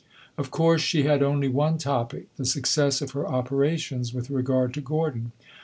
Of course she had only one topic the success of her operations with regard to Gordon.